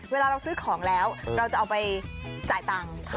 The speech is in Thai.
เวลาเราซื้อของแล้วเราจะเอาไปจ่ายตังค์